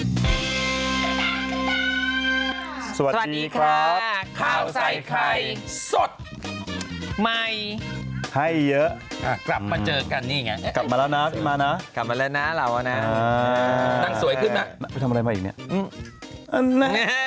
สวัสดีครับข้าวใส่ไข่สดใหม่ให้เยอะกลับมาเจอกันนี่ไงกลับมาแล้วนะพี่มาเนอะกลับมาแล้วนะเราอะนะนางสวยขึ้นมาไปทำอะไรมาอีกเนี่ย